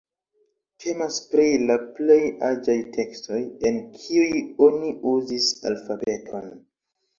Temas pri la plej aĝaj tekstoj, en kiuj oni uzis alfabeton.